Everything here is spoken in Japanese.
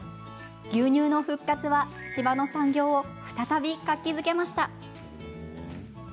牛乳の復活は島の産業を再び活気づけました。